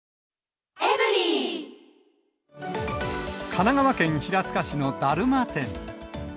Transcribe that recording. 神奈川県平塚市のだるま店。